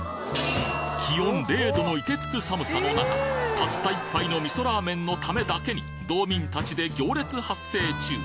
気温０度の凍てつく寒さの中たった１杯の味噌ラーメンのためだけに道民たちで行列発生中！